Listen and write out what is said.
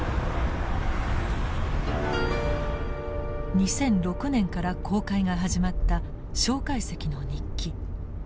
２００６年から公開が始まった介石の日記。